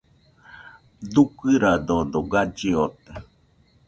Dukɨradodo galli ote.